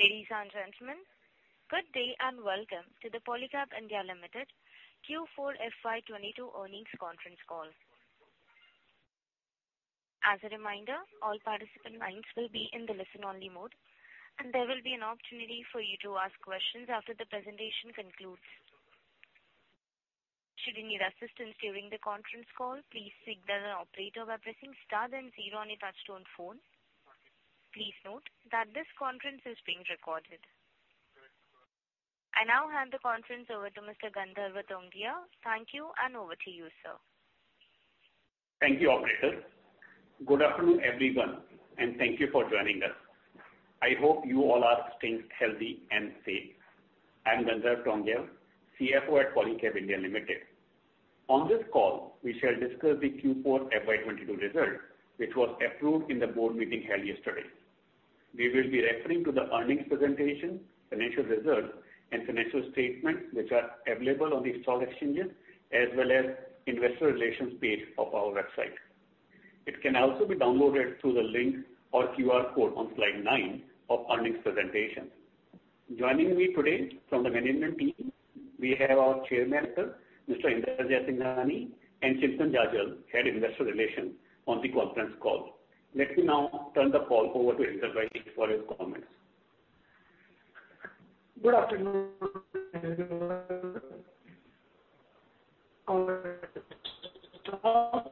Ladies and gentlemen, good day and welcome to the Polycab India Limited Q4 FY22 earnings conference call. As a reminder, all participant lines will be in the listen-only mode, and there will be an opportunity for you to ask questions after the presentation concludes. Should you need assistance during the conference call, please signal an operator by pressing star then zero on your touchtone phone. Please note that this conference is being recorded. I now hand the conference over to Mr. Gandharv Tongia. Thank you, and over to you, sir. Thank you, operator. Good afternoon, everyone, and thank you for joining us. I hope you all are staying healthy and safe. I'm Gandharv Tongia, CFO at Polycab India Limited. On this call, we shall discuss the Q4 FY22 result, which was approved in the board meeting held yesterday. We will be referring to the earnings presentation, financial results and financial statements, which are available on the stock exchanges as well as investor relations page of our website. It can also be downloaded through the link or QR code on slide 9 of earnings presentation. Joining me today from the management team, we have our Chairman, Mr. Inder Jaisinghani, and Chintan Jajal, Head, Investor Relations on the conference call. Let me now turn the call over to Inder Jaisinghani for his comments. Good afternoon, everyone. Our strong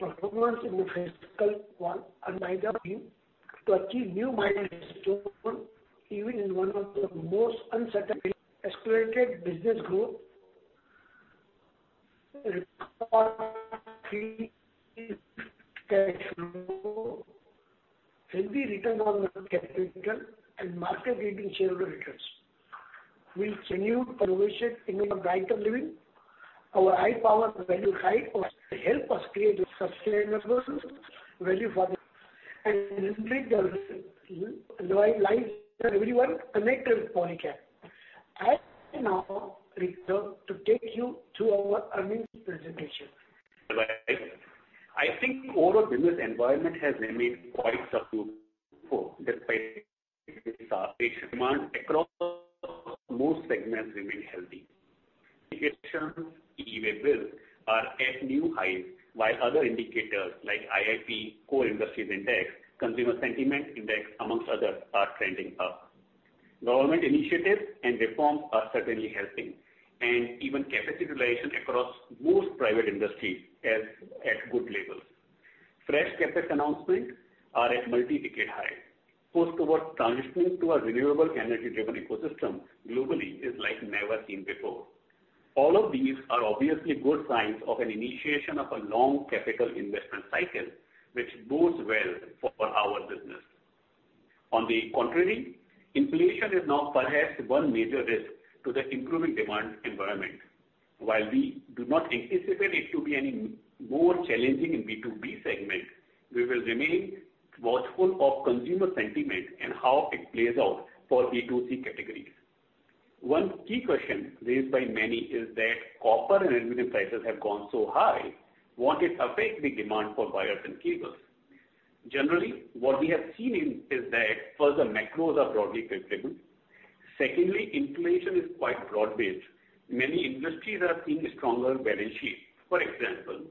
performance in FY21 to achieve new milestone even in one of the most uncertain accelerated business growth. Record free cash flow, healthy return on capital, and market-leading shareholder returns. We'll continue innovation in the brighter living. Our higher purpose, values and ethos will help us create a sustainable value for all and enrich the lives of everyone connected with Polycab. I now turn to take you through our earnings presentation. I think overall business environment has remained quite supportive despite demand across most segments remain healthy. Indicators, like e-Way Bills are at new highs, while other indicators like IIP, Core Industries Index, Consumer Sentiment Index, amongst others, are trending up. Government initiatives and reforms are certainly helping, and even capacity utilization across most private industries is at good levels. Fresh CapEx announcements are at multi-decade high. Push towards transitioning to a renewable energy-driven ecosystem globally is like never seen before. All of these are obviously good signs of an initiation of a long capital investment cycle, which bodes well for our business. On the contrary, inflation is now perhaps one major risk to the improving demand environment. While we do not anticipate it to be any more challenging in B2B segment, we will remain watchful of consumer sentiment and how it plays out for B2C categories. One key question raised by many is that copper and aluminum prices have gone so high. Won't it affect the demand for wires and cables? Generally, what we have seen is that first the macros are broadly favorable. Secondly, inflation is quite broad-based. Many industries are seeing stronger balance sheets. For example,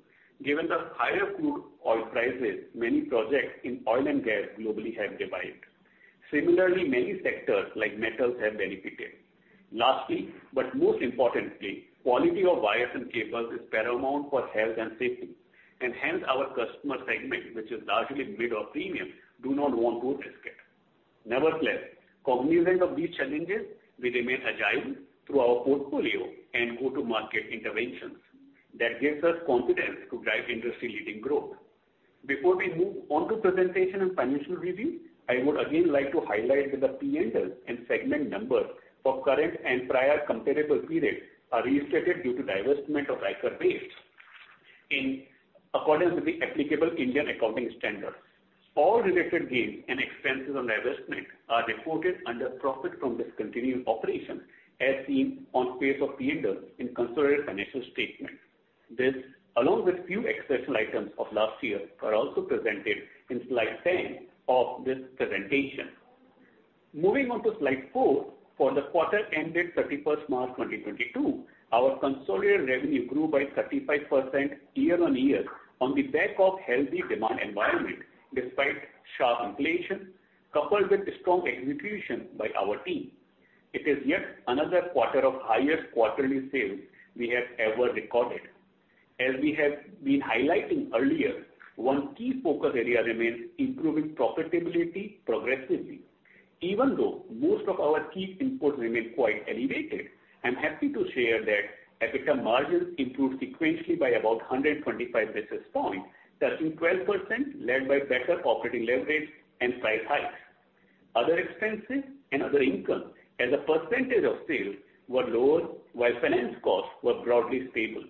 given the higher crude oil prices, many projects in oil and gas globally have revived. Similarly, many sectors like metals have benefited. Lastly, but most importantly, quality of wires and cables is paramount for health and safety, and hence our customer segment, which is largely mid or premium, do not want to risk it. Nevertheless, cognizant of these challenges, we remain agile through our portfolio and go-to-market interventions. That gives us confidence to drive industry-leading growth. Before we move on to presentation and financial review, I would again like to highlight that the P&L and segment numbers for current and prior comparable periods are restated due to divestment of Ryker Base. In accordance with the applicable Indian Accounting Standards, all related gains and expenses on divestment are reported under profit from discontinued operation as seen on page of P&L in consolidated financial statement. This, along with few exceptional items of last year, are also presented in slide 10 of this presentation. Moving on to slide 4, for the quarter ended 31st March 2022, our consolidated revenue grew by 35% year-on-year on the back of healthy demand environment despite sharp inflation, coupled with strong execution by our team. It is yet another quarter of highest quarterly sales we have ever recorded. As we have been highlighting earlier, one key focus area remains improving profitability progressively. Even though most of our key inputs remain quite elevated, I'm happy to share that EBITDA margin improved sequentially by about 125 basis points, touching 12% led by better operating leverage and price hikes. Other expenses and other income as a percentage of sales were lower, while finance costs were broadly stable.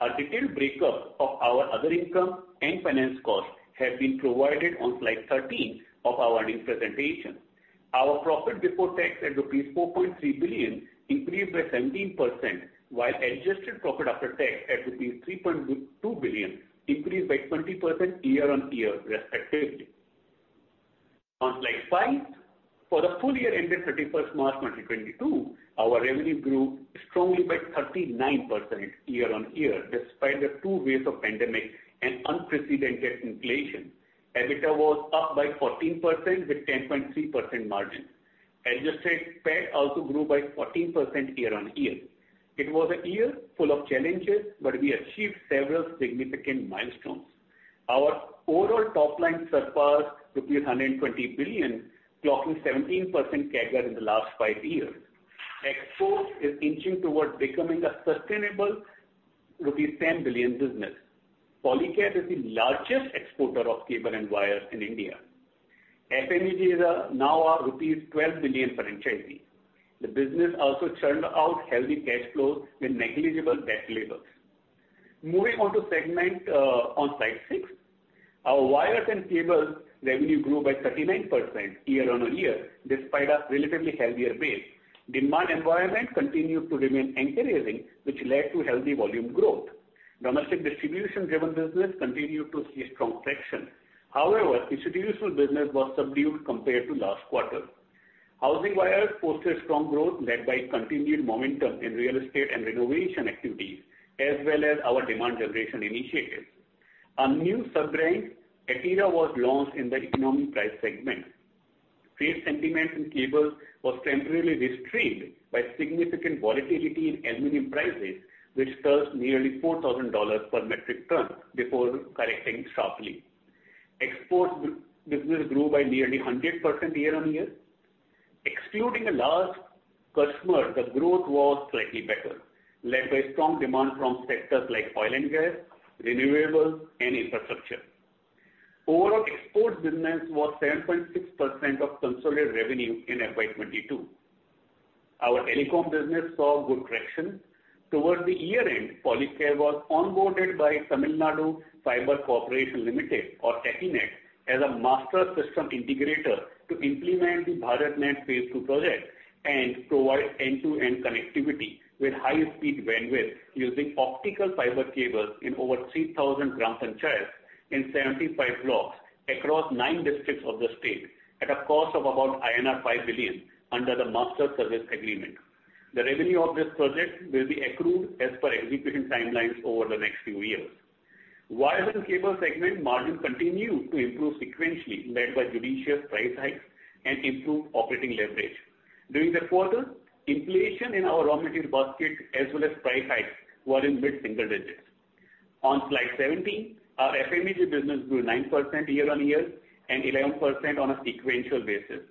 A detailed breakup of our other income and finance costs have been provided on slide 13 of our earnings presentation. Our profit before tax at INR 4.3 billion increased by 17%, while adjusted profit after tax at INR 3.2 billion increased by 20% year-on-year respectively. Despite for the full year ending 31st March 2022, our revenue grew strongly by 39% year-on-year, despite the two waves of pandemic and unprecedented inflation. EBITDA was up by 14% with 10.3% margin. Adjusted PAT also grew by 14% year-on-year. It was a year full of challenges, but we achieved several significant milestones. Our overall top line surpassed rupees 120 billion, clocking 17% CAGR in the last five years. Exports is inching towards becoming a sustainable rupees 10 billion business. Polycab is the largest exporter of cable and wires in India. FMEG is now our rupees 12 billion franchise. The business also churned out healthy cash flows with negligible debt levels. Moving on to segment on slide six. Our wires and cables revenue grew by 39% year-on-year, despite a relatively healthier base. Demand environment continued to remain encouraging, which led to healthy volume growth. Domestic distribution driven business continued to see strong traction. However, institutional business was subdued compared to last quarter. Housing wires posted strong growth led by continued momentum in real estate and renovation activities, as well as our demand generation initiatives. Our new sub-brand, Etira, was launched in the economy price segment. Trade sentiment in cables was temporarily restrained by significant volatility in aluminum prices, which touched nearly $4,000 per metric ton before correcting sharply. Export business grew by nearly 100% year-on-year. Excluding the large customer, the growth was slightly better, led by strong demand from sectors like oil and gas, renewables and infrastructure. Overall exports business was 7.6% of consolidated revenue in FY 2022. Our telecom business saw good traction. Towards the year-end, Polycab was onboarded by Tamil Nadu FibreNet Corporation Limited or TANFINET as a master system integrator to implement the BharatNet phase two project and provide end-to-end connectivity with high-speed bandwidth using optical fiber cables in over 3,000 gram panchayats in 75 blocks across 9 districts of the state at a cost of about INR 5 billion under the Master Service Agreement. The revenue of this project will be accrued as per execution timelines over the next few years. Wires and cables segment margin continued to improve sequentially, led by judicious price hikes and improved operating leverage. During the quarter, inflation in our raw material basket as well as price hikes were in mid-single digits. On slide 17, our FMEG business grew 9% year-on-year and 11% on a sequential basis.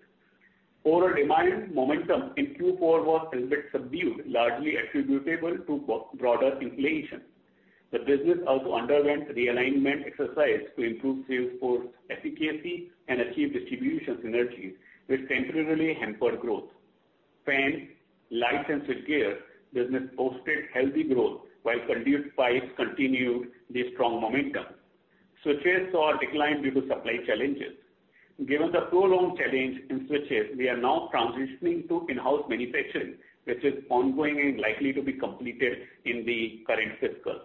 Overall demand momentum in Q4 was a bit subdued, largely attributable to broader inflation. The business also underwent realignment exercise to improve sales force efficacy and achieve distribution synergies, which temporarily hampered growth. Fans, lights and switchgear business posted healthy growth, while conduit pipes continued the strong momentum. Switches saw a decline due to supply challenges. Given the prolonged challenge in switches, we are now transitioning to in-house manufacturing, which is ongoing and likely to be completed in the current fiscal.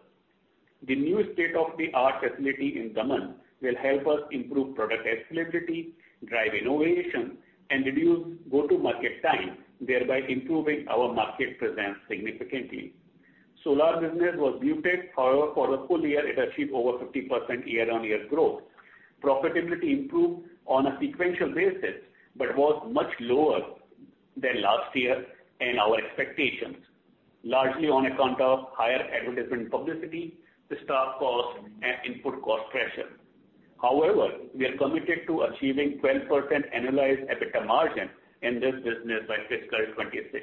The new state-of-the-art facility in Daman will help us improve product availability, drive innovation and reduce go-to-market time, thereby improving our market presence significantly. Solar business was muted, however for the full year it achieved over 50% year-on-year growth. Profitability improved on a sequential basis, but was much lower than last year and our expectations, largely on account of higher advertisement publicity, the staff costs and input cost pressure. However, we are committed to achieving 12% annualized EBITDA margin in this business by FY26.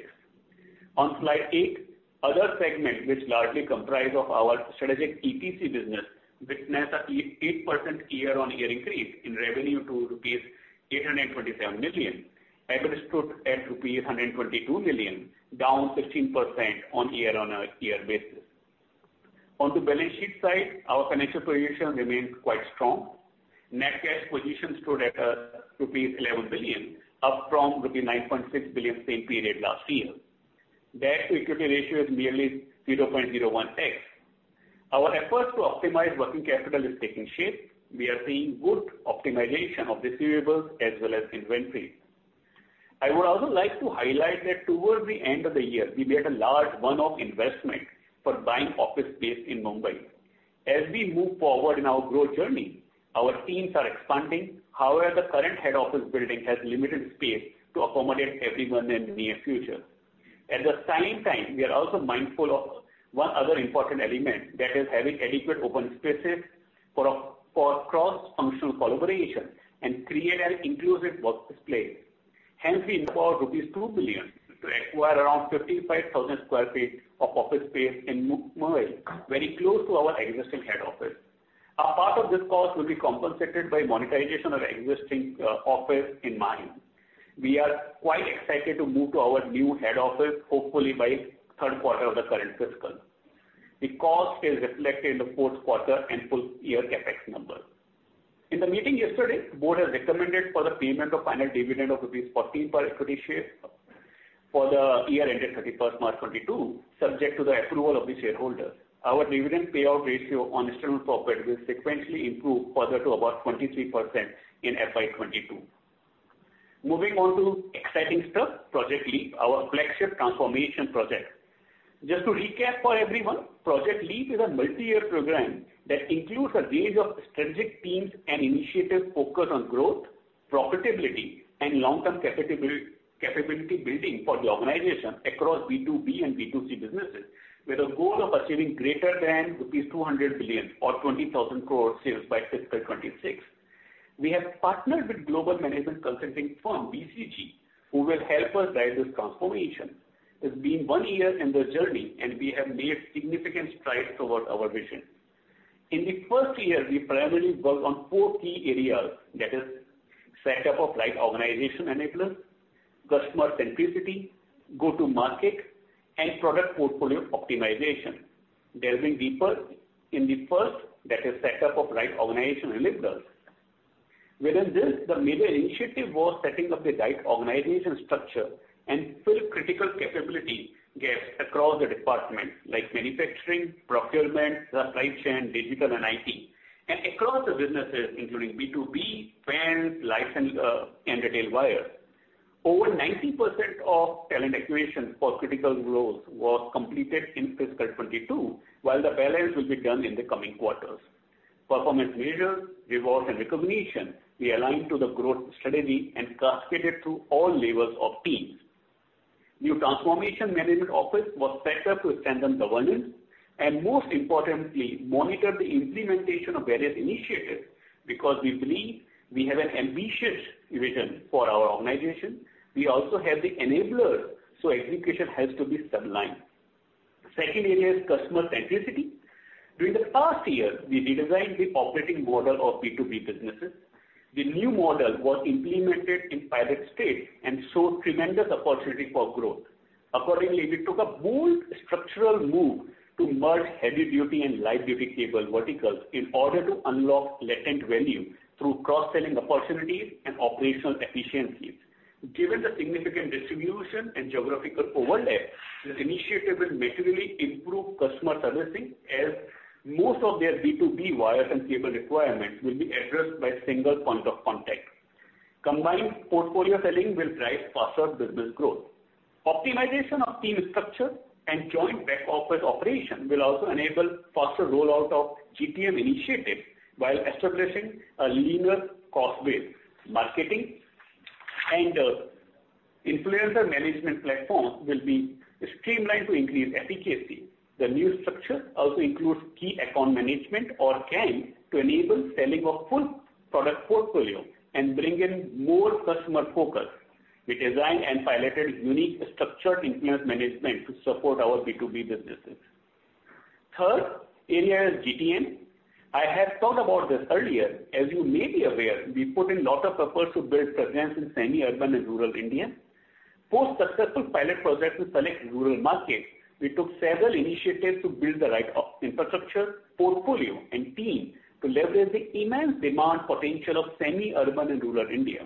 On slide eight, other segments which largely comprise of our strategic EPC business witnessed an 8% year-on-year increase in revenue to rupees 827 million. EBITDA stood at rupees 122 million, down 16% year-on-year. On the balance sheet side, our financial position remains quite strong. Net cash position stood at rupees 11 billion, up from rupees 9.6 billion same period last year. Debt-to-equity ratio is merely 0.01x. Our efforts to optimize working capital is taking shape. We are seeing good optimization of receivables as well as inventory. I would also like to highlight that towards the end of the year, we made a large one-off investment for buying office space in Mumbai. As we move forward in our growth journey, our teams are expanding. However, the current head office building has limited space to accommodate everyone in the near future. At the same time, we are also mindful of one other important element that is having adequate open spaces for cross-functional collaboration and create an inclusive workspace. Hence, we invested rupees 2 billion to acquire around 55,000 sq ft of office space in Mumbai, very close to our existing head office. A part of this cost will be compensated by monetization of existing office in Mahim. We are quite excited to move to our new head office, hopefully by third quarter of the current fiscal. The cost is reflected in the fourth quarter and full year CapEx numbers. In the meeting yesterday, board has recommended for the payment of final dividend of rupees 14 per equity share. For the year ended 31 March 2022, subject to the approval of the shareholders, our dividend payout ratio on external profit will sequentially improve further to about 23% in FY 2022. Moving on to exciting stuff, Project LEAP, our flagship transformation project. Just to recap for everyone, Project LEAP is a multi-year program that includes a range of strategic teams and initiatives focused on growth, profitability, and long-term capability building for the organization across B2B and B2C businesses, with a goal of achieving greater than rupees 200 billion or 20,000 crore sales by fiscal 2026. We have partnered with global management consulting firm BCG, who will help us drive this transformation. It's been one year in the journey, and we have made significant strides towards our vision. In the first year, we primarily worked on four key areas. That is setup of right organization enablers, customer centricity, go-to-market and product portfolio optimization. Delving deeper in the first, that is setup of right organization enablers. Within this, the major initiative was setting up the right organization structure and fill critical capability gaps across the departments like manufacturing, procurement, supply chain, digital, and IT, and across the businesses, including B2B, fans, lighting, and retail wires. Over 90% of talent acquisition for critical roles was completed in fiscal 2022, while the balance will be done in the coming quarters. Performance measures, rewards, and recognition be aligned to the growth strategy and cascaded through all levels of teams. New transformation management office was set up to strengthen governance and most importantly, monitor the implementation of various initiatives because we believe we have an ambitious vision for our organization. We also have the enablers, so execution has to be streamlined. Second area is customer centricity. During the past year, we redesigned the operating model of B2B businesses. The new model was implemented in pilot stage and showed tremendous opportunity for growth. Accordingly, we took a bold structural move to merge heavy duty and light duty cable verticals in order to unlock latent value through cross-selling opportunities and operational efficiencies. Given the significant distribution and geographical overlap, this initiative will materially improve customer servicing, as most of their B2B wires and cable requirements will be addressed by single point of contact. Combined portfolio selling will drive faster business growth. Optimization of team structure and joint back-office operation will also enable faster rollout of GTM initiative while establishing a leaner cost base. Marketing and influencer management platform will be streamlined to increase efficacy. The new structure also includes key account management or KAM to enable selling of full product portfolio and bring in more customer focus. We designed and piloted unique structured influencer management to support our B2B businesses. Third area is GTM. I have talked about this earlier. As you may be aware, we put in lot of efforts to build presence in semi-urban and rural India. Post successful pilot projects in select rural markets, we took several initiatives to build the right infrastructure, portfolio, and team to leverage the immense demand potential of semi-urban and rural India.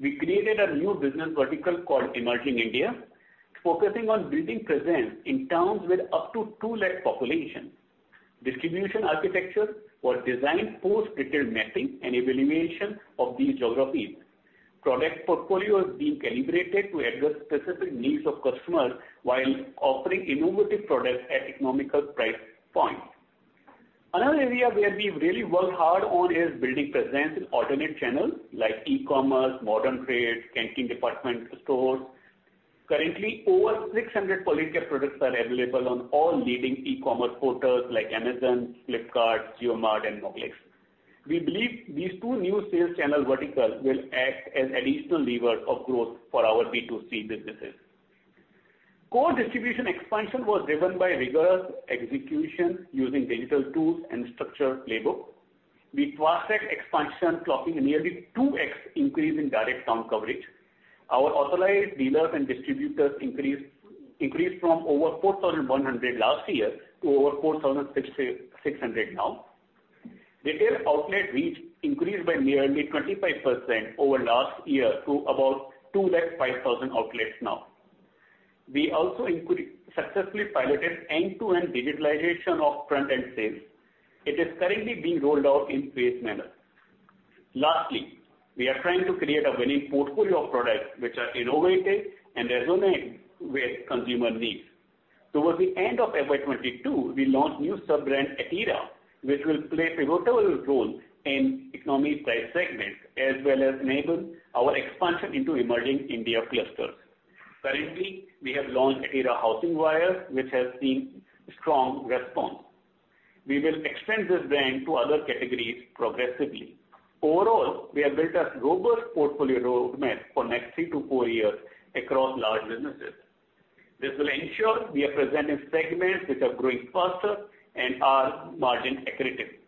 We created a new business vertical called Emerging India, focusing on building presence in towns with up to 2 lakh population. Distribution architecture was designed post detailed mapping and evaluation of these geographies. Product portfolio is being calibrated to address specific needs of customers while offering innovative products at economical price points. Another area where we really work hard on is building presence in alternate channels like e-commerce, modern trade, canteen department stores. Currently, over 600 Polycab products are available on all leading e-commerce portals like Amazon, Flipkart, JioMart and Meesho. We believe these two new sales channel verticals will act as additional lever of growth for our B2C businesses. Core distribution expansion was driven by rigorous execution using digital tools and structured labor. We crossed expansion, clocking nearly 2x increase in direct town coverage. Our authorized dealers and distributors increased from over 4,100 last year to over 4,600 now. Retail outlet reach increased by nearly 25% over last year to about 205,000 outlets now. We also successfully piloted end-to-end digitalization of front-end sales. It is currently being rolled out in phased manner. Lastly, we are trying to create a winning portfolio of products which are innovative and resonate with consumer needs. Towards the end of FY 2022, we launched new sub-brand Etira, which will play pivotal role in economy price segment as well as enable our expansion into Emerging India clusters. Currently, we have launched Etira House Wires, which has seen strong response. We will extend this brand to other categories progressively. Overall, we have built a robust portfolio roadmap for next 3-4 years across large businesses. This will ensure we are present in segments which are growing faster and are margin accretive.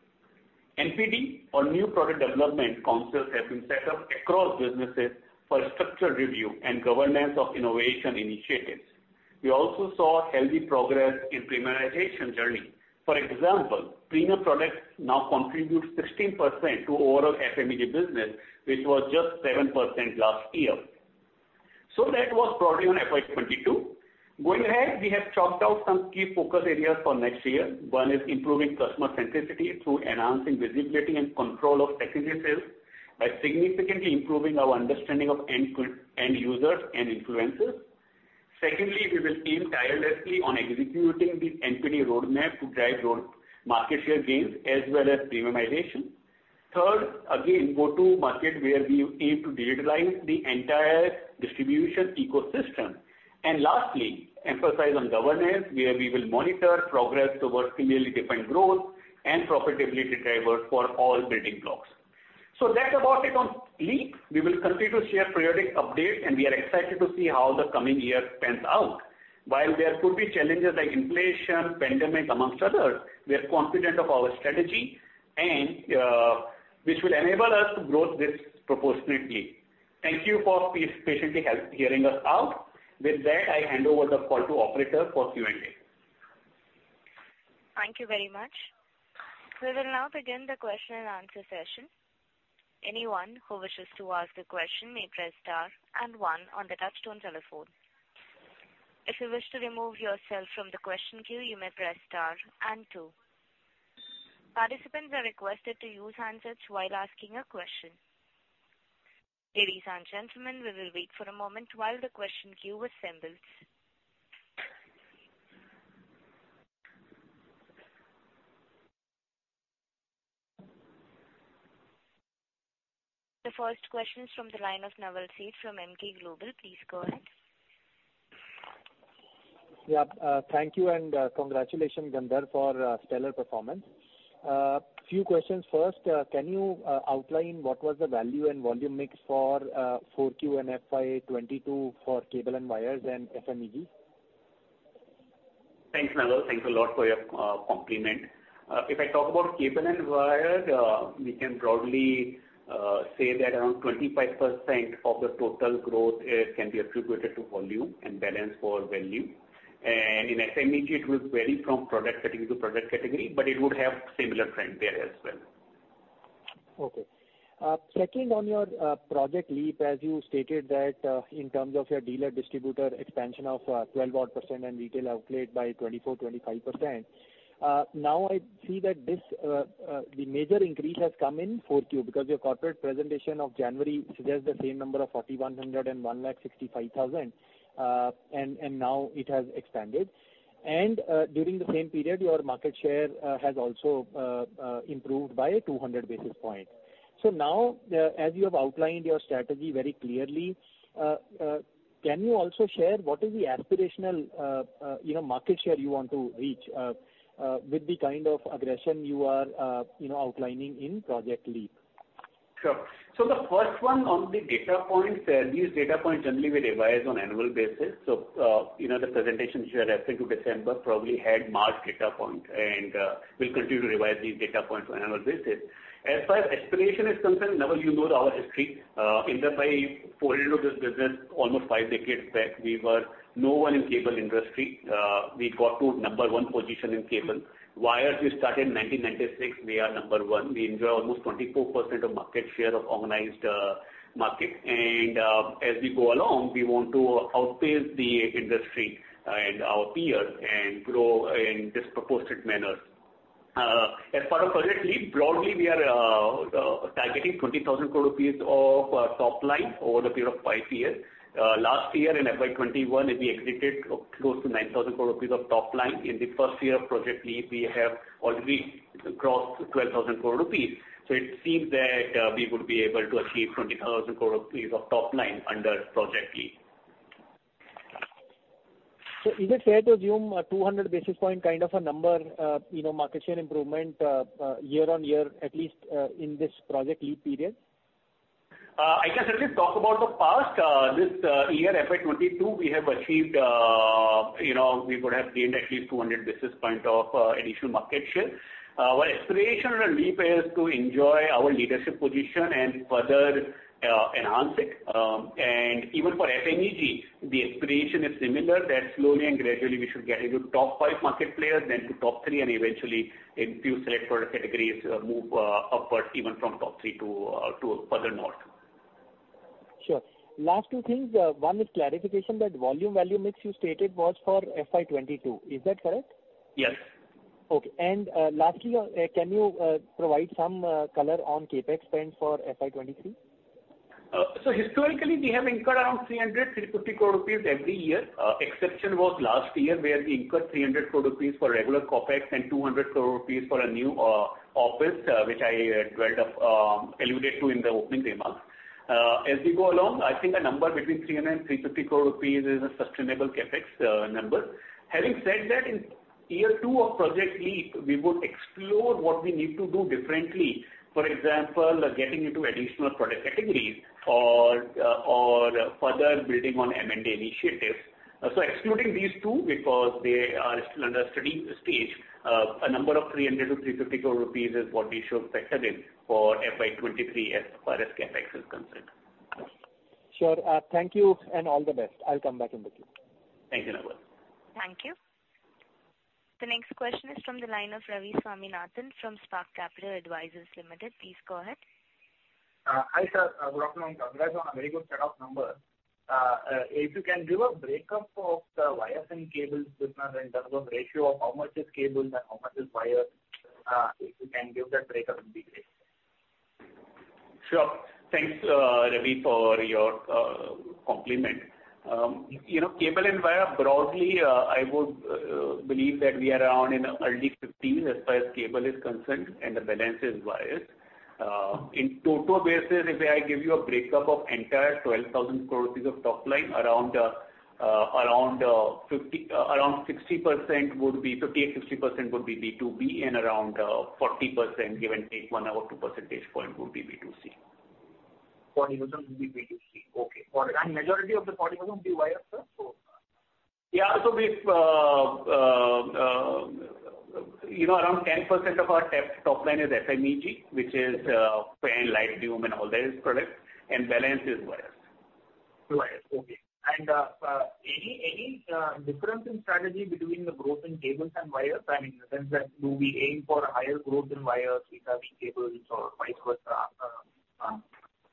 NPD or New Product Development Councils have been set up across businesses for structured review and governance of innovation initiatives. We also saw healthy progress in premiumization journey. For example, premium products now contribute 16% to overall FMEG business, which was just 7% last year. That was broadly on FY 2022. Going ahead, we have chalked out some key focus areas for next year. One is improving customer centricity through enhancing visibility and control of our sales by significantly improving our understanding of end users and influencers. Secondly, we will aim tirelessly on executing the NPD roadmap to drive growth, market share gains as well as premiumization. Third, again, go-to-market where we aim to digitize the entire distribution ecosystem and lastly, emphasize on governance, where we will monitor progress towards similarly defined growth and profitability drivers for all building blocks. That's about it on LEAP. We will continue to share periodic updates, and we are excited to see how the coming year pans out. While there could be challenges like inflation, pandemic among others, we are confident of our strategy and which will enable us to grow this proportionately. Thank you for patiently hearing us out. With that, I hand over the call to operator for Q&A. Thank you very much. We will now begin the question and answer session. Anyone who wishes to ask a question may press star and one on the touchtone telephone. If you wish to remove yourself from the question queue, you may press star and two. Participants are requested to use handsets while asking a question. Ladies and gentlemen, we will wait for a moment while the question queue assembles. The first question is from the line of Naval Seth from Emkay Global. Please go ahead. Yeah, thank you and congratulations, Gandharv, for stellar performance. Few questions. First, can you outline what was the value and volume mix for Q4 and FY 2022 for cable and wires and FMEG? Thanks, Naval. Thanks a lot for your compliment. If I talk about cable and wires, we can probably say that around 25% of the total growth can be attributed to volume and balance for value. In FMEG, it will vary from product category to product category, but it would have similar trend there as well. Okay. Second, on your Project LEAP, as you stated that in terms of your dealer distributor expansion of 12-odd% and retail outlet by 24-25%. Now I see that this the major increase has come in Q4 because your corporate presentation of January suggests the same number of 4,100 and 1,65,000, and now it has expanded. During the same period, your market share has also improved by 200 basis points. Now, as you have outlined your strategy very clearly, can you also share what is the aspirational, you know, market share you want to reach with the kind of aggression you are, you know, outlining in Project LEAP? Sure. The first one on the data points, these data points generally we revise on annual basis. You know, the presentation shared up to December probably had March data point, and, we'll continue to revise these data points on annual basis. As far as aspiration is concerned, Naval, you know our history. Inder Jaisinghani forayed into this business almost five decades back. We were no one in cable industry. We got to number one position in cable. Wires we started in 1996, we are number one. We enjoy almost 24% of market share of organized market. As we go along, we want to outpace the industry, and our peers and grow in disproportionate manner. As part of Project LEAP, broadly we are targeting 20,000 crore rupees of top line over a period of five years. Last year in FY 2021, we exited close to 9,000 crore rupees of top line. In the first year of Project LEAP, we have already crossed 12,000 crore rupees. It seems that we would be able to achieve 20,000 crore rupees of top line under Project LEAP. Is it fair to assume a 200 basis point kind of a number, you know, market share improvement, year-over-year, at least, in this Project LEAP period? I can certainly talk about the past. This year, FY 2022, we have achieved, you know, we would have gained at least 200 basis point of additional market share. Our aspiration on Leap is to enjoy our leadership position and further enhance it. Even for FMEG, the aspiration is similar, that slowly and gradually we should get into top five market players, then to top three, and eventually in few select product categories, move upwards even from top three to further north. Sure. Last two things. One is clarification that volume value mix you stated was for FY 2022. Is that correct? Yes. Okay. Lastly, can you provide some color on CapEx spend for FY 2023? Historically we have incurred around 300-350 crore rupees every year. Exception was last year, where we incurred 300 crore rupees for regular CapEx and 200 crore rupees for a new office, which I alluded to in the opening remarks. As we go along, I think a number between 300 and 350 crore is a sustainable CapEx number. Having said that, in year two of Project LEAP, we would explore what we need to do differently. For example, getting into additional product categories or further building on M&A initiatives. Excluding these two because they are still under study stage, a number of 300-350 crore rupees is what we should factor in for FY 2023 as far as CapEx is concerned. Sure. Thank you and all the best. I'll come back in the queue. Thank you, Naval. Thank you. The next question is from the line of Ravi Swaminathan from Spark Capital Advisors (India) Private Limited. Please go ahead. Hi, sir. Good afternoon. Congrats on a very good set of numbers. If you can give a breakup of the wire and cables business in terms of ratio of how much is cables and how much is wires, if you can give that breakup, it would be great. Sure. Thanks, Ravi, for your compliment. You know, cable and wire, broadly, I would believe that we are around in early 50s as far as cable is concerned, and the balance is wires. On a total basis, if I give you a breakup of entire 12,000 crores rupees of top line, around 50-60% would be B2B and around 40%, give or take one or two percentage points, would be B2C. 40% will be B2C. Okay. Majority of the 40% will be wires, sir? So- We've, you know, around 10% of our top line is FMEG, which is fan, light, loom and all that is product, and balance is wires. Wires. Okay. Any difference in strategy between the growth in cables and wires? I mean, in the sense that do we aim for higher growth in wires vis-a-vis cables or vice versa?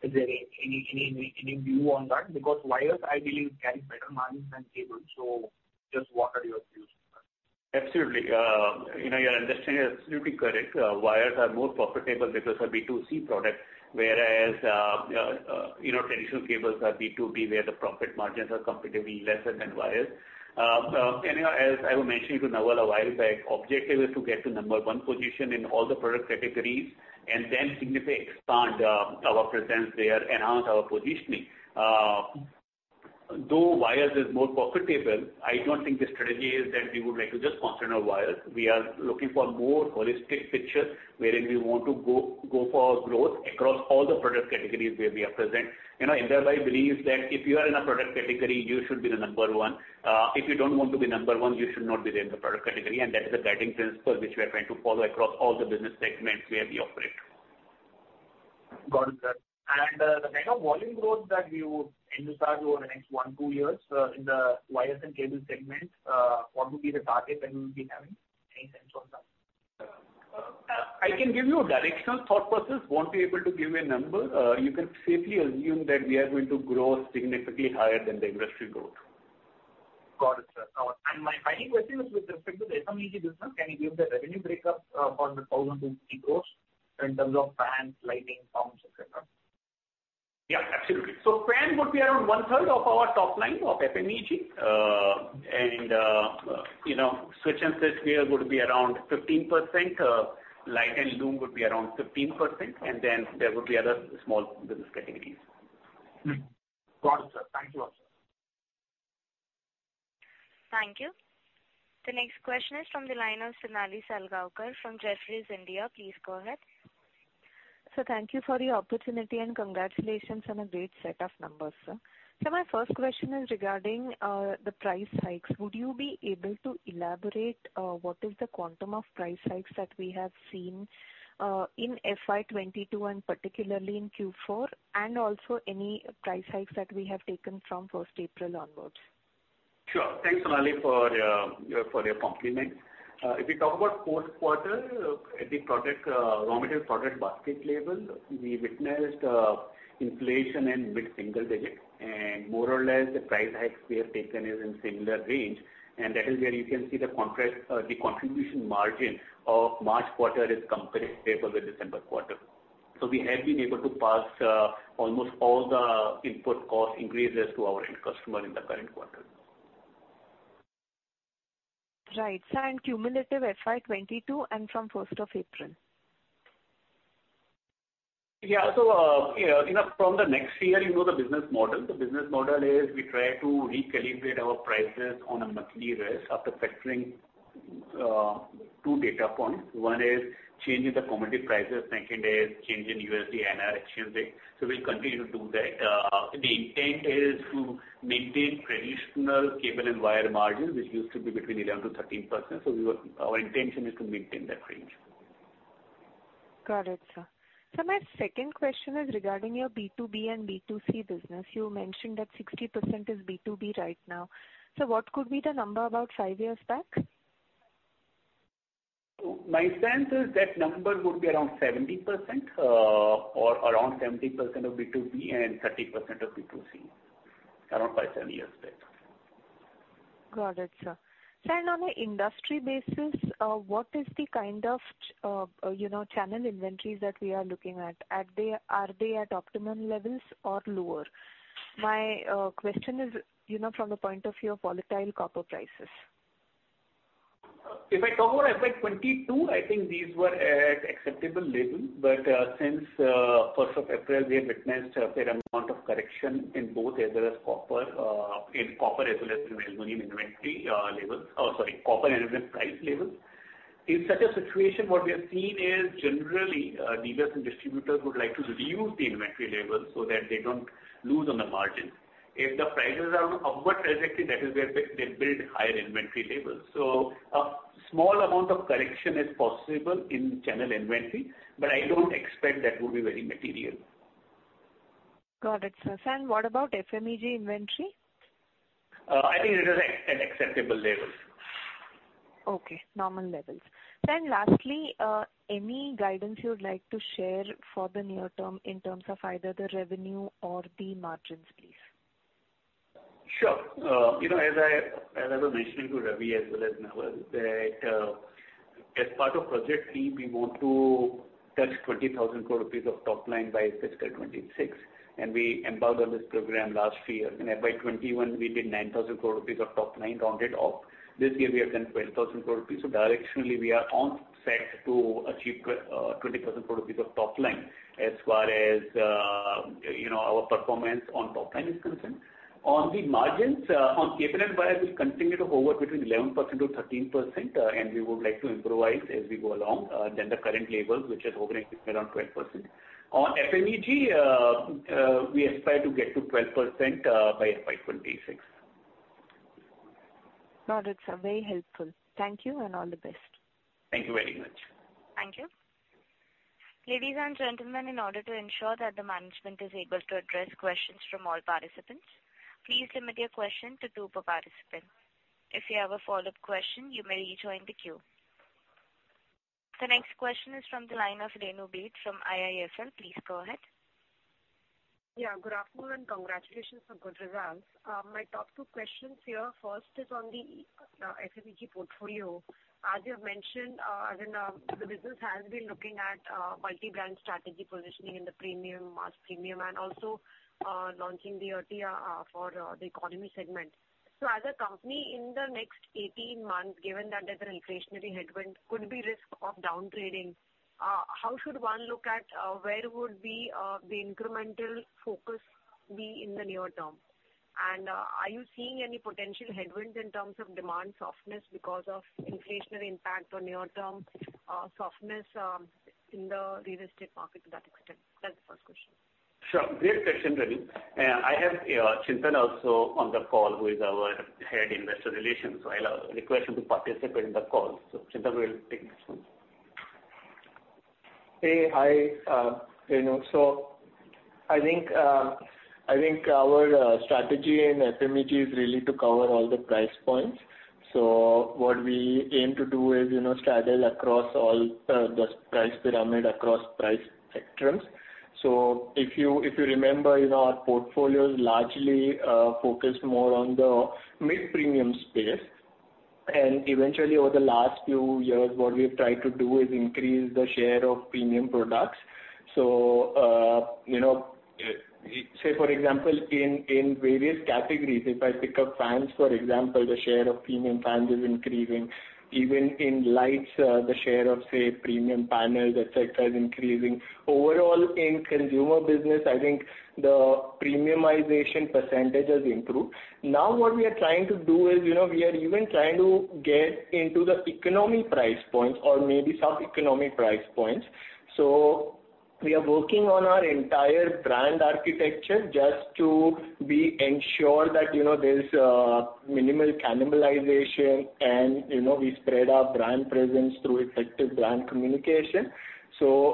Is there any view on that? Because wires, I believe, carry better margins than cables, so just what are your views, sir? Absolutely. You know, your understanding is absolutely correct. Wires are more profitable because they're B2C product, whereas traditional cables are B2B, where the profit margins are comparatively lesser than wires. You know, as I was mentioning to Naval a while back, objective is to get to number one position in all the product categories and then significantly expand our presence there, enhance our positioning. Though wires is more profitable, I don't think the strategy is that we would like to just concentrate on wires. We are looking for more holistic picture, wherein we want to go for growth across all the product categories where we are present. You know, Hindalco believes that if you are in a product category, you should be the number one. If you don't want to be number one, you should not be there in the product category, and that is the guiding principle which we are trying to follow across all the business segments where we operate. Got it, sir. The kind of volume growth that you anticipate over the next 1, 2 years in the wires and cables segment, what would be the target that you will be having? Any sense on that? I can give you a directional thought process. Won't be able to give you a number. You can safely assume that we are going to grow significantly higher than the industry growth. Got it, sir. My final question is with respect to the FMEG business. Can you give the revenue breakup for 1,050 crore rupee in terms of fans, lighting, pumps, et cetera? Yeah, absolutely. Fan would be around 1/3 of our top line of FMEG. You know, switch and switchgear would be around 15%. Light and loom would be around 15%, and then there would be other small business categories. Got it, sir. Thank you. Thank you. The next question is from the line of Sonali Salgaonkar from Jefferies India. Please go ahead. Sir, thank you for the opportunity, and congratulations on a great set of numbers, sir. Sir, my first question is regarding the price hikes. Would you be able to elaborate what is the quantum of price hikes that we have seen in FY 2022 and particularly in Q4, and also any price hikes that we have taken from first April onwards? Sure. Thanks, Sonali, for your compliment. If we talk about fourth quarter, at the product raw material product basket level, we witnessed inflation in mid-single digit, and more or less the price hikes we have taken is in similar range. That is where you can see the contrast, the contribution margin of March quarter is comparable with December quarter. We have been able to pass almost all the input cost increases to our end customer in the current quarter. Right. Sir, and cumulative FY 22 and from first of April. Yeah. You know, from the next year, you know the business model. The business model is we try to recalibrate our prices on a monthly basis after factoring two data points. One is change in the commodity prices, second is change in USD-INR exchange rate. We'll continue to do that. The intent is to maintain traditional cable and wire margin, which used to be between 11%-13%. Our intention is to maintain that range. Got it, sir. Sir, my second question is regarding your B2B and B2C business. You mentioned that 60% is B2B right now. Sir, what could be the number about five years back? My sense is that number would be around 70%, or around 70% of B2B and 30% of B2C around 5-10 years back. Got it, sir. Sir, on an industry basis, what is the kind of, you know, channel inventories that we are looking at? Are they at optimum levels or lower? My question is, you know, from the point of view of volatile copper prices. If I talk about FY 2022, I think these were at acceptable level. Since first of April, we have witnessed a fair amount of correction in both areas, copper and aluminum price levels. In such a situation, what we have seen is generally, dealers and distributors would like to reduce the inventory levels so that they don't lose on the margin. If the prices are on upward trajectory, that is where they build higher inventory levels. A small amount of correction is possible in channel inventory, but I don't expect that would be very material. Got it, sir. What about FMEG inventory? I think it is at acceptable levels. Okay, normal levels. Lastly, any guidance you would like to share for the near term in terms of either the revenue or the margins, please? Sure. You know, as I was mentioning to Ravi as well as Naval, that as part of Project LEAP, we want to touch 20,000 crore rupees of top line by fiscal 2026, and we embarked on this program last year. By 2021 we did 9,000 crore rupees of top line rounded off. This year we have done 12,000 crore rupees. Directionally we are on track to achieve 20,000 crore rupees of top line as far as, you know, our performance on top line is concerned. On the margins, on cable and wire, we'll continue to hover between 11%-13%, and we would like to improve as we go along from the current levels, which is hovering around 12%. On FMEG, we aspire to get to 12% by FY 2026. Got it, sir. Very helpful. Thank you and all the best. Thank you very much. Thank you. Ladies and gentlemen, in order to ensure that the management is able to address questions from all participants, please limit your question to two per participant. If you have a follow-up question, you may rejoin the queue. The next question is from the line of Renu Baid from IIFL. Please go ahead. Yeah, good afternoon and congratulations for good results. My top two questions here. First is on the FMEG portfolio. As you have mentioned, I mean, the business has been looking at multi-brand strategy positioning in the premium, mass premium, and also launching the Etira for the economy segment. As a company in the next 18 months, given that there's an inflationary headwind could be risk of down trading, how should one look at where would be the incremental focus be in the near term? And are you seeing any potential headwinds in terms of demand softness because of inflationary impact on near term softness in the real estate market to that extent? That's the first question. Sure. Great question, Renu. I have Chintan also on the call, who is our Head, Investor Relations. I'll request him to participate in the call. Chintan will take this one. Hey. Hi, Renu. I think our strategy in FMEG is really to cover all the price points. What we aim to do is, you know, straddle across all the price pyramid across price spectrums. If you remember, you know, our portfolio is largely focused more on the mid-premium space. Eventually over the last few years, what we've tried to do is increase the share of premium products. You know, say for example, in various categories, if I pick up fans, for example, the share of premium fans is increasing. Even in lights, the share of, say, premium panels, et cetera, is increasing. Overall, in consumer business, I think the premiumization percentage has improved. Now, what we are trying to do is, you know, we are even trying to get into the economy price points or maybe sub-economy price points. We are working on our entire brand architecture just to ensure that, you know, there's minimal cannibalization and, you know, we spread our brand presence through effective brand communication.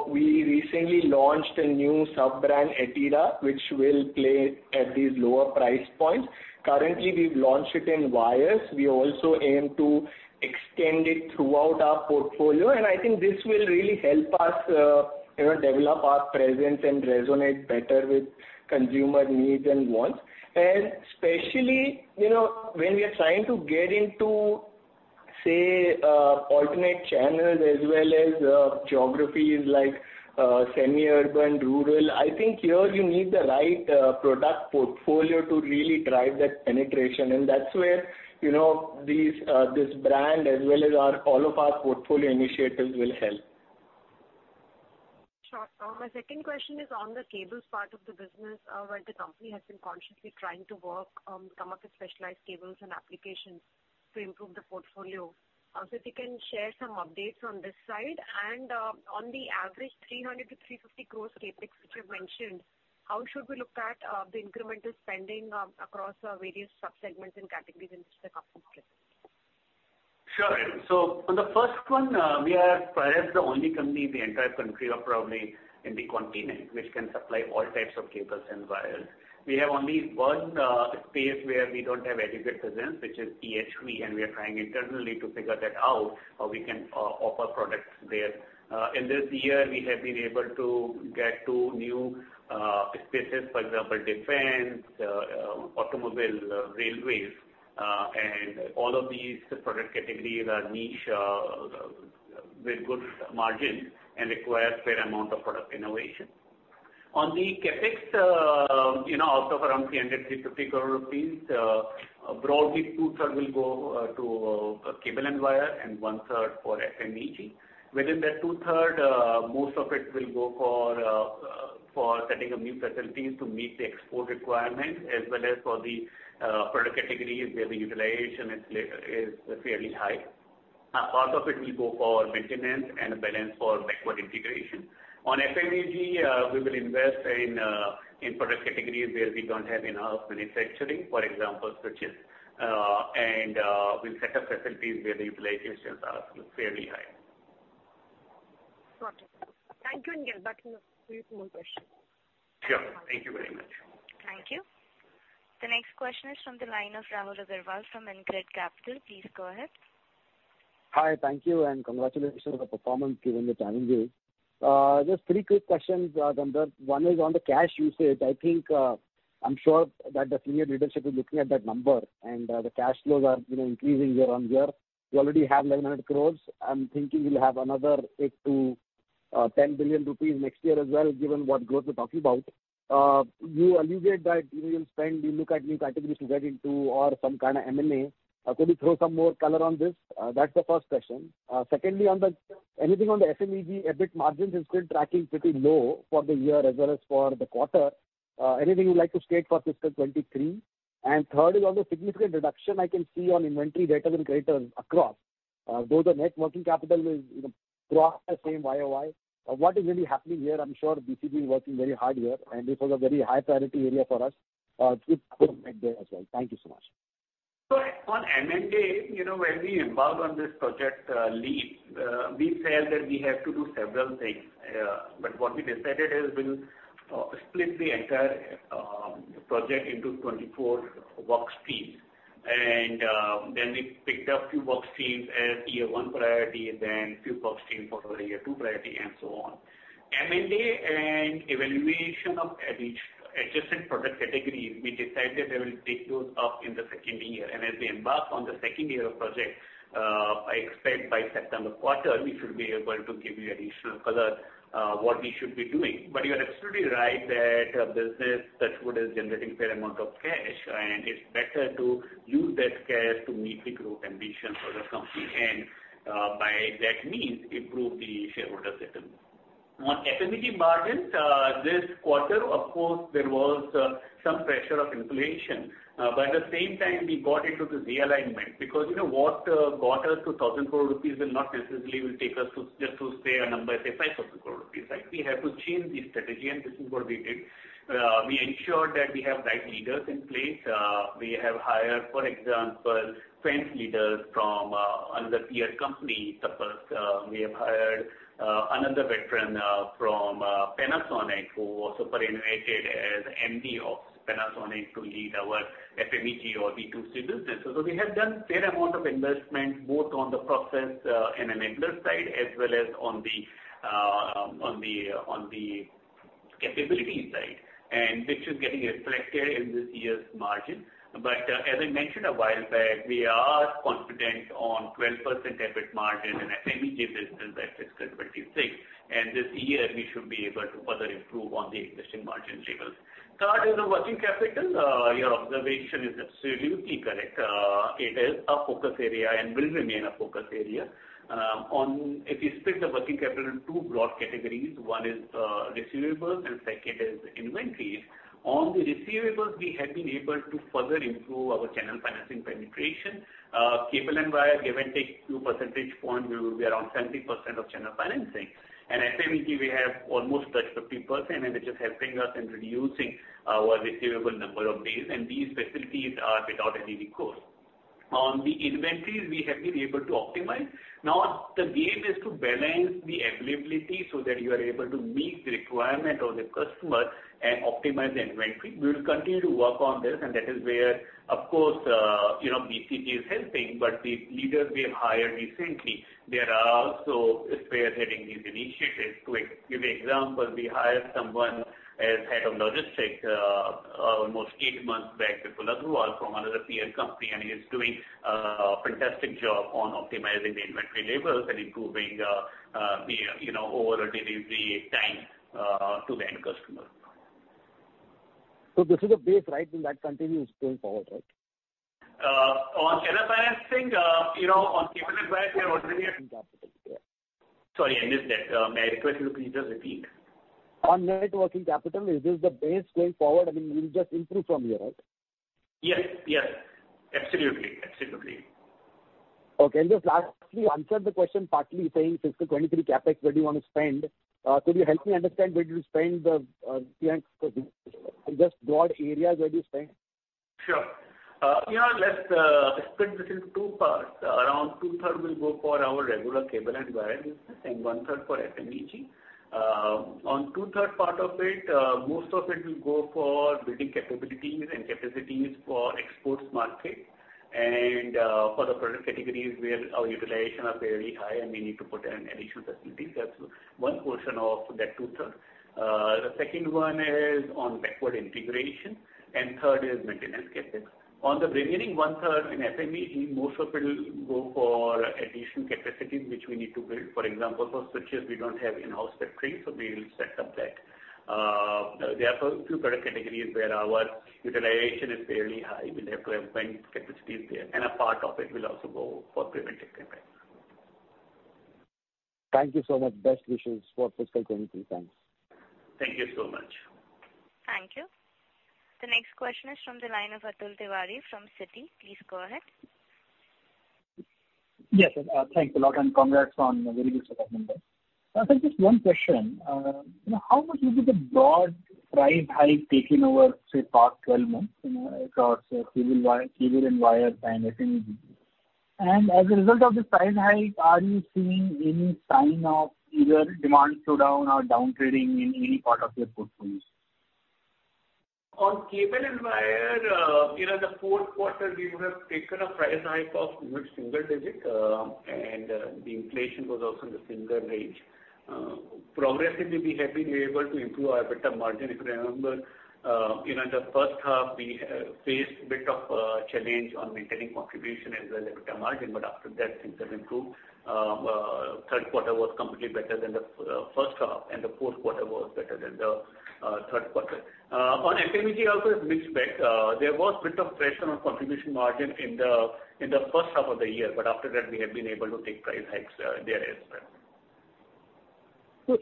We recently launched a new sub-brand, Etira, which will play at these lower price points. Currently, we've launched it in wires. We also aim to extend it throughout our portfolio, and I think this will really help us, you know, develop our presence and resonate better with consumer needs and wants. Especially, you know, when we are trying to get into, say, alternate channels as well as geographies like semi-urban, rural, I think here you need the right product portfolio to really drive that penetration. That's where, you know, these, this brand as well as our, all of our portfolio initiatives will help. Sure. My second question is on the cables part of the business, where the company has been consciously trying to work some of the specialized cables and applications to improve the portfolio. If you can share some updates on this side and on the average 300 crore-350 crore CapEx which you've mentioned, how should we look at the incremental spending across various sub-segments and categories in which the company plays? Sure, Renu. On the first one, we are perhaps the only company in the entire country or probably in the continent, which can supply all types of cables and wires. We have only one space where we don't have adequate presence, which is EHV, and we are trying internally to figure that out, how we can offer products there. In this year, we have been able to get to new spaces, for example, defense, automobile, railways, and all of these product categories are niche with good margin and require fair amount of product innovation. On the CapEx, you know, out of around 300 crore-350 crore rupees, broadly two-thirds will go to cable and wire and one-third for FMEG. Within that two-thirds, most of it will go for setting up new facilities to meet the export requirements as well as for the product categories where the utilization is fairly high. A part of it will go for maintenance and balance for backward integration. On FMEG, we will invest in product categories where we don't have enough manufacturing, for example, switches. We'll set up facilities where the utilization are fairly high. Got it. Thank you, Nikhil. Back to you for more questions. Sure. Thank you very much. Thank you. The next question is from the line of Rahul Agarwal from InCred Capital. Please go ahead. Hi. Thank you, and congratulations on the performance given the challenges. Just three quick questions, Gandharv. One is on the cash usage. I think, I'm sure that the senior leadership is looking at that number and, the cash flows are, you know, increasing year-on-year. You already have 1,100 crore. I'm thinking you'll have another 8 billion-10 billion rupees next year as well, given what growth we're talking about. You alluded that you will spend, you look at new categories to get into or some kind of M&A. That's the first question. Secondly, anything on the FMEG EBIT margins is still tracking pretty low for the year as well as for the quarter. Anything you'd like to state for fiscal 2023? Third is on the significant reduction I can see on inventory debtors and creditors across. Though the net working capital is, you know, almost the same YOY. What is really happening here? I'm sure BCG is working very hard here, and this was a very high priority area for us. Please comment there as well. Thank you so much. On M&A, you know, when we embarked on this project, Project LEAP, we said that we have to do several things. What we decided is we'll split the entire project into 24 work streams. Then we picked up few work streams as year one priority and then few work streams for our year two priority and so on. M&A and evaluation of each adjacent product category, we decided that we'll take those up in the second year. As we embark on the second year of project, I expect by September quarter, we should be able to give you additional color what we should be doing. You're absolutely right that a business that good is generating fair amount of cash, and it's better to use that cash to meet the growth ambitions of the company and by that means, improve the shareholder return. On FMEG margins, this quarter, of course, there was some pressure of inflation. At the same time, we got into this realignment because, you know, what got us to 1,000 crore rupees will not necessarily take us to, just to say a number, say 5,000 crore rupees, right? We have to change the strategy, and this is what we did. We ensured that we have right leaders in place. We have hired, for example, functional leaders from another peer company. Suppose we have hired another veteran from Panasonic who was superannuated as MD of Panasonic to lead our FMEG or B2C business. We have done fair amount of investment both on the process and an enabler side, as well as on the capability side, and which is getting reflected in this year's margin. As I mentioned a while back, we are confident on 12% EBIT margin in FMEG business by fiscal 2026. This year we should be able to further improve on the existing margin levels. Third is the working capital. Your observation is absolutely correct. It is a focus area and will remain a focus area. If you split the working capital in two broad categories, one is receivables and second is inventories. On the receivables, we have been able to further improve our channel financing penetration. Cable and wire, give and take two percentage points, we will be around 70% of channel financing. In FMEG, we have almost touched 50%, and which is helping us in reducing our receivable number of days, and these facilities are without any recourse. On the inventories, we have been able to optimize. Now, the game is to balance the availability so that you are able to meet the requirement of the customer and optimize the inventory. We will continue to work on this, and that is where, of course, you know, BCG is helping. The leaders we have hired recently, they are also spearheading these initiatives. To give example, we hired someone as Head of Logistics, almost 8 months back, Vipul Aggarwal, from another peer company, and he is doing a fantastic job on optimizing the inventory levels and improving the, you know, overall delivery time to the end customer. This is the base, right? Will that continue going forward, right? On channel financing, you know, on cable and wire we are already at- Net working capital, yeah. Sorry, I missed that. May I request you to please just repeat? On net working capital, is this the base going forward? I mean, we'll just improve from here, right? Yes. Absolutely. Okay. Just lastly, you answered the question partly saying fiscal 2023 CapEx, where do you wanna spend? Could you help me understand where you spend the capex? Just broad areas where you spend. Sure. Yeah, let's split this in two parts. Around 2/3 will go for our regular cable and wire business, and 1/3 for FMEG. On 2/3 part of it, most of it will go for building capabilities and capacities for export markets and for the product categories where our utilization are very high and we need to put in additional facilities. That's one portion of that 2/3. The second one is on backward integration, and third is maintenance CapEx. On the remaining 1/3 in FMEG, most of it will go for additional capacities which we need to build. For example, for switches we don't have in-house factory, so we will set up that. There are a few product categories where our utilization is fairly high. We'll have to have capacities there. A part of it will also go for preventative maintenance. Thank you so much. Best wishes for fiscal 2023. Thanks. Thank you so much. Thank you. The next question is from the line of Atul Tiwari from Citi. Please go ahead. Yes, thanks a lot and congrats on very good set of numbers. Sir, just one question. How much has been the broad price hike taken over, say, past 12 months, you know, across cable and wire and FMEG? As a result of this price hike, are you seeing any sign of either demand slowdown or downtrading in any part of your portfolios? On cable and wire, you know, the fourth quarter, we would have taken a price hike of mid-single-digit%, and the inflation was also in the single-digit% range. Progressively, we have been able to improve our EBITDA margin. If you remember, you know, in the first half we faced a bit of challenge on maintaining contribution as well as EBITDA margin. After that, things have improved. Third quarter was completely better than the first half, and the fourth quarter was better than the third quarter. On FMEG also a mixed bag. There was bit of pressure on contribution margin in the first half of the year, but after that, we have been able to take price hikes there as well.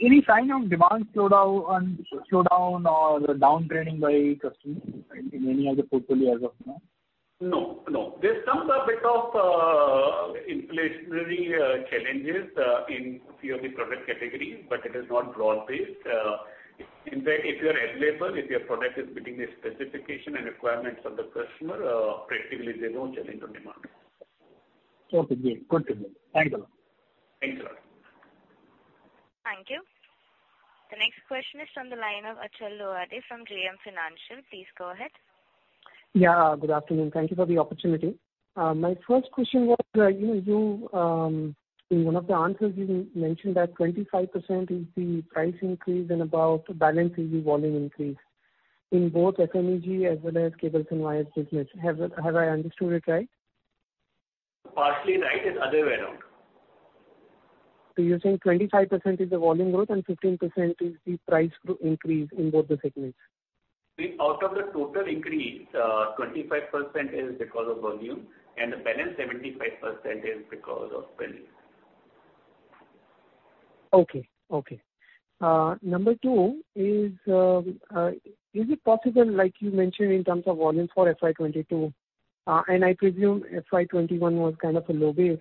Any sign of demand slowdown or downtrading by customers in any of the portfolio as of now? No, no. There's some bit of inflationary challenges in few of the product categories, but it is not broad-based. In fact, if you are eligible, if your product is meeting the specification and requirements of the customer, practically they won't challenge on demand. Okay. Yeah. Good to hear. Thanks a lot. Thanks a lot. Thank you. The next question is from the line of Achal Lohade from JM Financial. Please go ahead. Yeah, good afternoon. Thank you for the opportunity. My first question was, you know, in one of the answers you mentioned that 25% is the price increase and about balance is the volume increase in both FMEG as well as cables and wires business. Have I understood it right? Partly right. It's the other way around. You're saying 25% is the volume growth and 15% is the price increase in both the segments. Out of the total increase, 25% is because of volume and the balance 75% is because of price. Okay, number two is it possible, like you mentioned in terms of volumes for FY 2022, and I presume FY 2021 was kind of a low base.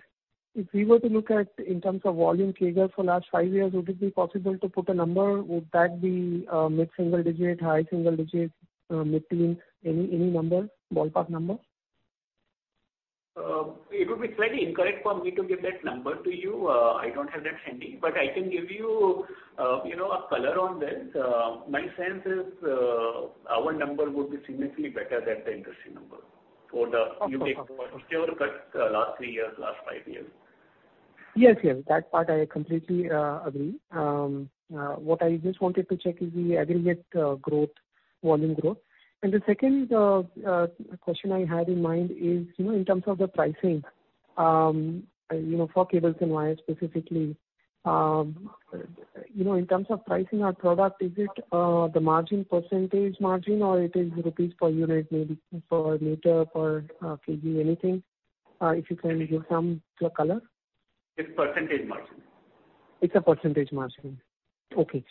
If we were to look at in terms of volume CAGR for last five years, would it be possible to put a number? Would that be mid-single digit, high single digit, mid-teen? Any number? Ballpark number? It would be slightly incorrect for me to give that number to you. I don't have that handy. I can give you know, a color on this. My sense is, our number would be significantly better than the industry number for the- Okay. You may want to cut last 3 years, last 5 years. Yes, yes. That part I completely agree. What I just wanted to check is the aggregate growth, volume growth. The second question I had in mind is, you know, in terms of the pricing, you know, for cables and wires specifically. You know, in terms of pricing our product, is it the margin percentage or it is rupees per unit, maybe per meter, per kg, anything? If you can give some color. It's percentage margin. It's a percentage margin. Okay.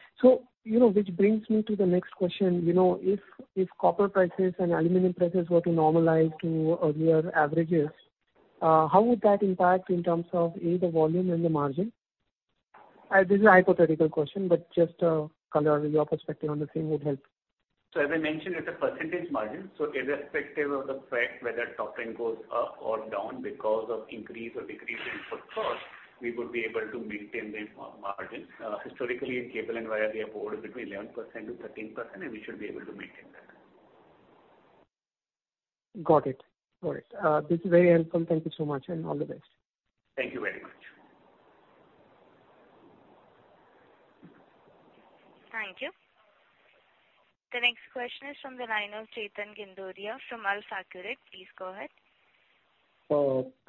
You know, which brings me to the next question. You know, if copper prices and aluminum prices were to normalize to earlier averages, how would that impact in terms of, A, the volume and the margin? This is a hypothetical question, but just a color in your perspective on the same would help. As I mentioned, it's a percentage margin. Irrespective of the fact whether top line goes up or down because of increase or decrease in input cost, we would be able to maintain the margin. Historically in cable and wire, we have hovered between 11%-13%, and we should be able to maintain that. Got it. This is very helpful. Thank you so much, and all the best. Thank you very much. Thank you. The next question is from the line of Chetan Gindodia from AlfAccurate Advisors. Please go ahead.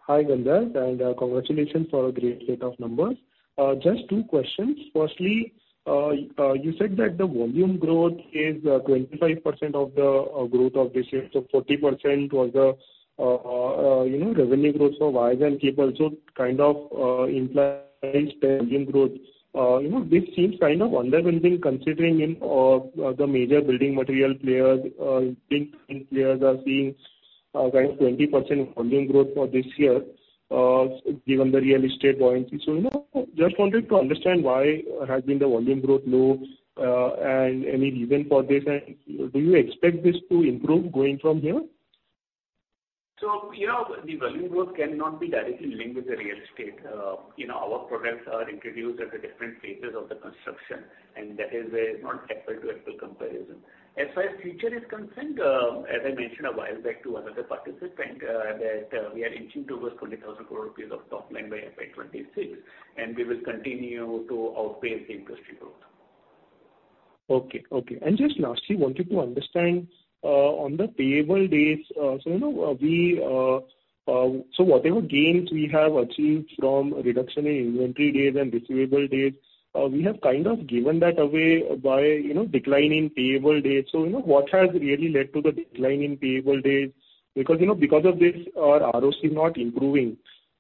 Hi, Gandharv, and congratulations for a great set of numbers. Just two questions. Firstly, you said that the volume growth is 25% of the growth of this year. 40% was the you know revenue growth for wires and cable, so it kind of implies the volume growth. You know, this seems kind of underwhelming considering in the major building material players building players are seeing kind of 20% volume growth for this year given the real estate buoyancy. You know, just wanted to understand why has been the volume growth low and any reason for this? And do you expect this to improve going from here? You know, the volume growth cannot be directly linked with the real estate. You know, our products are introduced at the different phases of the construction, and that is not an apple-to-apple comparison. As far as the future is concerned, as I mentioned a while back to another participant, that we are inching towards 20,000 crore rupees of top line by FY 2026, and we will continue to outpace the industry growth. Okay. Just lastly, wanted to understand on the payable days, so, you know, so whatever gains we have achieved from reduction in inventory days and receivable days, we have kind of given that away by, you know, decline in payable days. So, you know, what has really led to the decline in payable days? Because, you know, of this our ROCE not improving.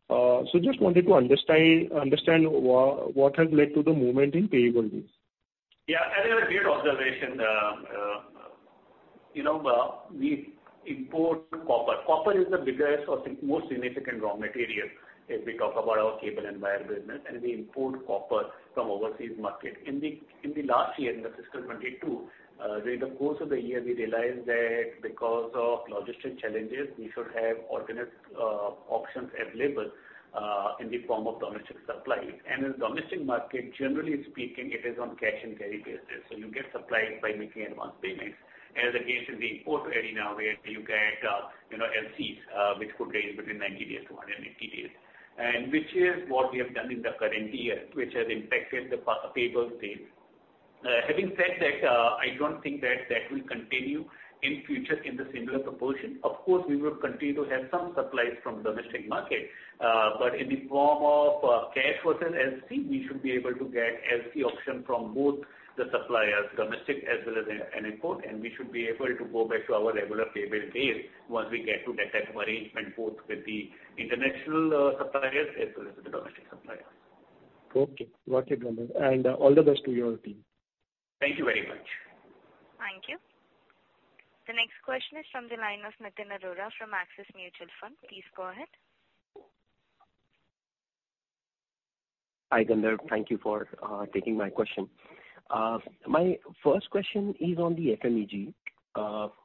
So just wanted to understand what has led to the movement in payable days. Yeah. I think that's a great observation. You know, we import copper. Copper is the biggest or most significant raw material. If we talk about our cable and wire business, we import copper from overseas market. In the last year, in the fiscal 2022, during the course of the year, we realized that because of logistic challenges, we should have alternate options available in the form of domestic supply. In domestic market, generally speaking, it is on cash and carry basis. You get supplies by making advance payments. As against the import area now, where you get, you know LCs, which could range between 90 days to 180 days. Which is what we have done in the current year, which has impacted the payable days. Having said that, I don't think that will continue in future in the similar proportion. Of course, we will continue to have some supplies from domestic market, but in the form of cash versus LC, we should be able to get LC option from both the suppliers, domestic as well as import, and we should be able to go back to our regular payable days once we get to that arrangement, both with the international suppliers as well as with the domestic suppliers. Okay. Got it, Gandharv. All the best to your team. Thank you very much. Thank you. The next question is from the line of Nitin Arora from Axis Mutual Fund. Please go ahead. Hi, Gandharv. Thank you for taking my question. My first question is on the FMEG.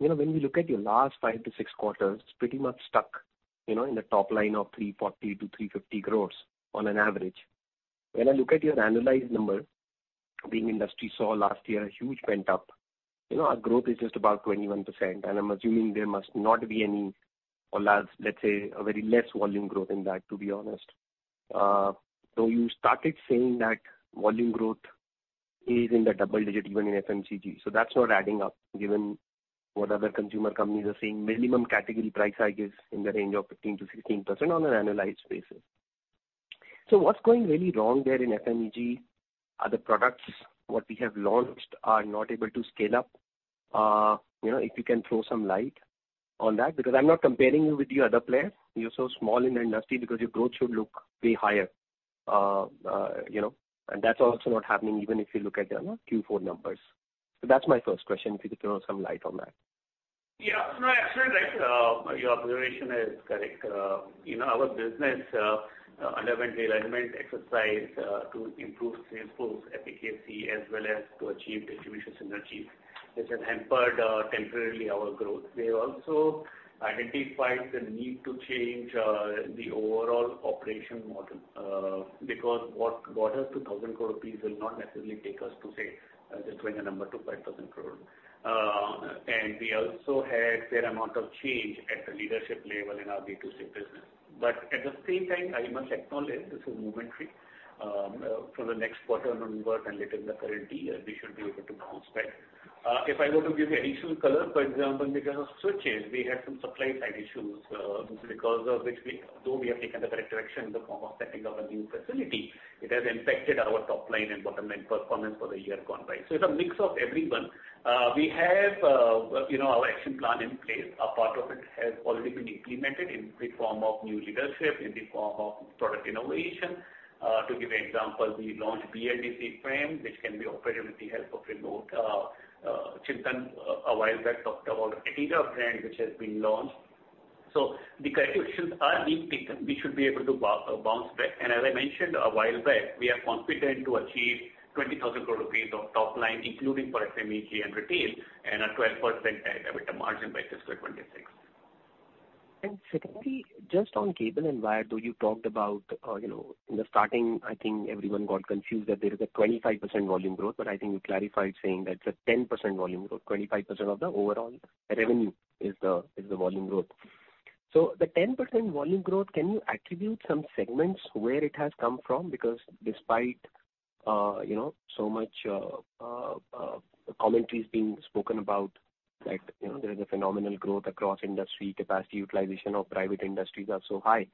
You know, when we look at your last 5-6 quarters, it's pretty much stuck, you know, in the top line of 340-350 crores on an average. When I look at your annualized number, the industry saw last year a huge pent-up, you know, your growth is just about 21%, and I'm assuming there must not be any or let's say a very less volume growth in that, to be honest. You started saying that volume growth is in the double-digit, even in FMEG. That's not adding up given what other consumer companies are saying, minimum category price hike is in the range of 15%-16% on an annualized basis. What's going really wrong there in FMEG? Are the products what we have launched are not able to scale up? You know, if you can throw some light on that, because I'm not comparing you with the other players. You're so small in the industry because your growth should look way higher. You know, and that's also not happening even if you look at the, you know, Q4 numbers. That's my first question, if you could throw some light on that. Yeah. No, absolutely. Your observation is correct. You know, our business underwent realignment exercise to improve sales force efficacy as well as to achieve distribution synergies, which has hampered temporarily our growth. We have also identified the need to change the overall operational model because what got us to 1,000 crore rupees will not necessarily take us to, say, I'm just throwing a number, to 5,000 crore. We also had fair amount of change at the leadership level in our B2C business. At the same time, I must acknowledge this is momentary. For the next quarter onward and later in the current year, we should be able to bounce back. If I were to give you additional color, for example, because of switches, we had some supply-side issues, because of which we, though we have taken the correct direction in the form of setting up a new facility, it has impacted our top line and bottom line performance for the year gone by. It's a mix of everyone. We have, you know, our action plan in place. A part of it has already been implemented in the form of new leadership, in the form of product innovation. To give you an example, we launched BLDC fan, which can be operated with the help of remote. Chintan a while back talked about Etira brand, which has been launched. The corrections are being taken. We should be able to bounce back. As I mentioned a while back, we are confident to achieve 20,000 crore rupees of top line, including for FMCG and retail, and a 12% EBITDA margin by fiscal 2026. Secondly, just on cable and wire, though you talked about in the starting, I think everyone got confused that there is a 25% volume growth, but I think you clarified saying that it's a 10% volume growth. 25% of the overall revenue is the volume growth. The 10% volume growth, can you attribute some segments where it has come from? Because despite so much commentaries being spoken about, there is a phenomenal growth across industry, capacity utilization of private industries are so high,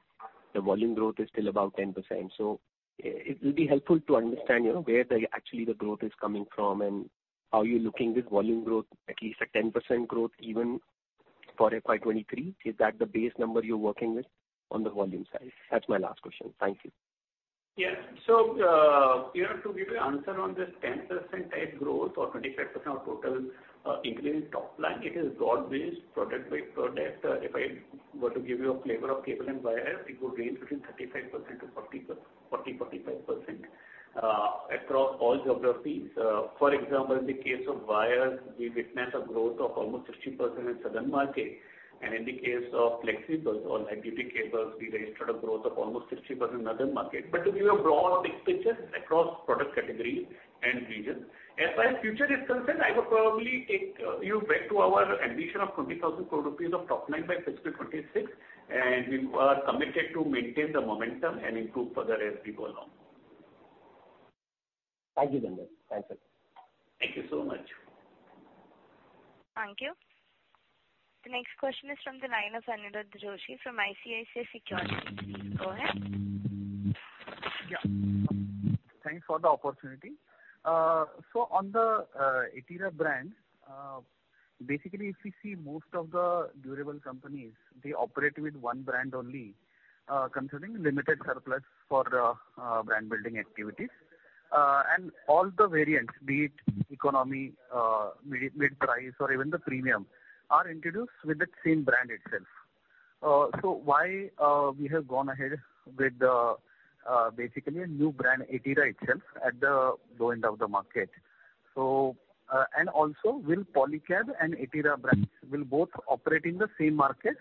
the volume growth is still about 10%. It will be helpful to understand where actually the growth is coming from and are you looking this volume growth at least a 10% growth even for FY 2023. Is that the base number you're working with on the volume side? That's my last question. Thank you. To give you answer on this 10% type growth or 25% of total increase top line, it is broad-based product by product. If I were to give you a flavor of cable and wire, it would range between 35% to 40-45% across all geographies. For example, in the case of wire, we witnessed a growth of almost 60% in southern market. In the case of flexible or LT PVC cables, we registered a growth of almost 60% in northern market. To give you a broad, big picture across product categories and regions. As far as future is concerned, I would probably take you back to our ambition of 20,000 crore rupees of top line by fiscal 2026, and we are committed to maintain the momentum and improve further as we go along. Thank you, Gandharv. Thanks a lot. Thank you so much. Thank you. The next question is from the line of Aniruddha Joshi from ICICI Securities. Please go ahead. Yeah. Thanks for the opportunity. On the Etira brand, basically, if we see most of the durable companies, they operate with one brand only, considering limited surplus for brand building activities. All the variants, be it economy, mid-price or even the premium, are introduced with the same brand itself. Why we have gone ahead with basically a new brand, Etira itself, at the low end of the market. And also, will Polycab and Etira brands both operate in the same markets,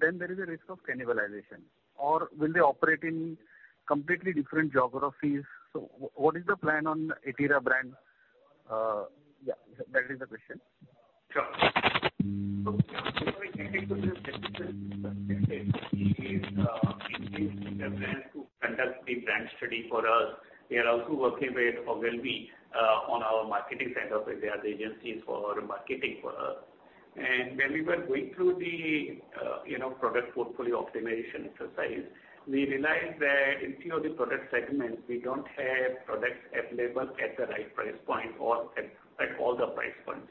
then there is a risk of cannibalization. Will they operate in completely different geographies? What is the plan on Etira brand? Yeah, that is the question. Sure. Getting to the specific question, we engaged Kantar to conduct the brand study for us. We are also working with Ogilvy on our marketing side of it. They are the agencies for marketing for us. When we were going through the you know, product portfolio optimization exercise, we realized that in few of the product segments we don't have products available at the right price point or at all the price points.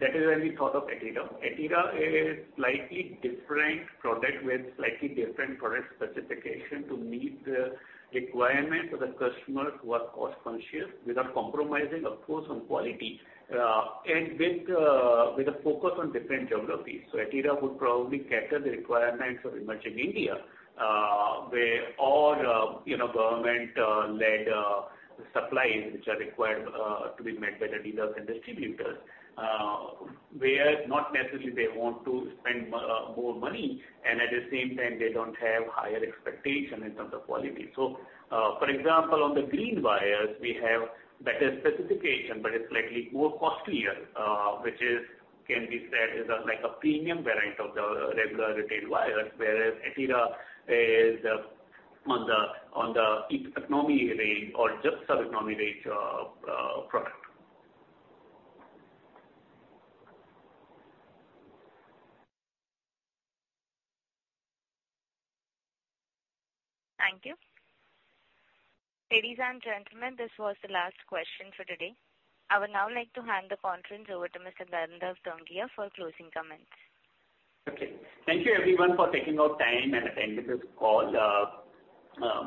That is when we thought of Etira. Etira is slightly different product with slightly different product specification to meet the requirement of the customers who are cost-conscious without compromising, of course, on quality, and with a focus on different geographies. Etira would probably cater the requirements of Emerging India, where all government led supplies which are required to be met by the dealers and distributors, where not necessarily they want to spend more money and at the same time they don't have higher expectation in terms of quality. For example, on the green wires, we have better specification, but it's slightly more costlier, which can be said is a like a premium variant of the regular retail wires. Whereas Etira is on the economy range or just sub-economy range product. Thank you. Ladies and gentlemen, this was the last question for today. I would now like to hand the conference over to Mr. Gandharv Tongia for closing comments. Okay. Thank you everyone for taking out time and attending this call.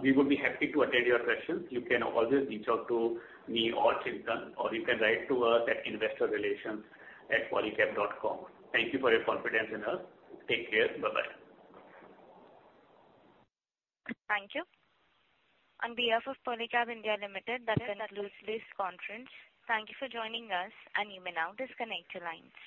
We would be happy to attend your questions. You can always reach out to me or Chintan or you can write to us at investorrelations@polycab.com. Thank you for your confidence in us. Take care. Bye-bye. Thank you. On behalf of Polycab India Limited, that concludes this conference. Thank you for joining us and you may now disconnect your lines.